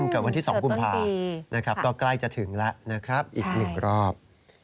เกิดวันที่๒กุมภานะครับก็ใกล้จะถึงแล้วนะครับอีก๑รอบ